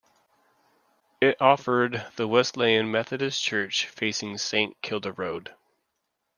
It offered the Wesleyan Methodist Church facing Saint Kilda Road.